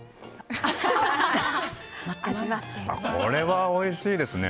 これはおいしいですね。